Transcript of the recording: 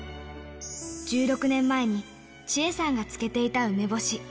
１６年前に千恵さんが漬けていた梅干し。